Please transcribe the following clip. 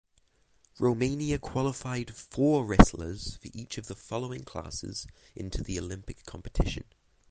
Romania qualified four wrestlers for each of the following classes into the Olympic competition.